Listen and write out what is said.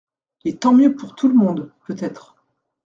Et tant mieux pour tout le monde, peut-être.